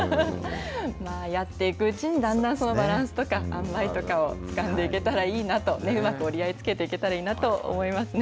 まあやっていくうちに、だんだんそのバランスとか、あんばいとかをつかんでいけたらいいなと、うまく折り合いつけていけたらいいなと思います。